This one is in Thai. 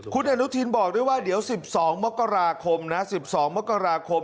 คุณอนุทินบอกด้วยว่าเดี๋ยว๑๒มกราคมนะ๑๒มกราคม